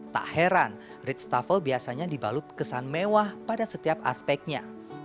tak heran ritstafel biasanya dibalut kesan mewah pada setiap aspeknya